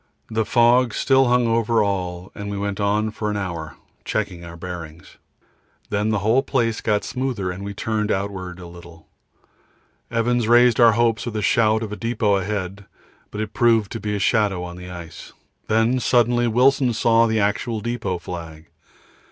The fog still hung over all and we went on for an hour, checking our bearings. Then the whole place got smoother and we turned outward a little. Evans raised our hopes with a shout of depot ahead, but it proved to be a shadow on the ice. Then suddenly Wilson saw the actual depot flag.